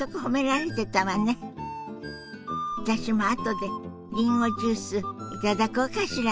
私もあとでりんごジュース頂こうかしら。